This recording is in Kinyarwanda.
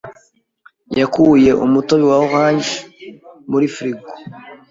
yakuye umutobe wa orange muri firigo.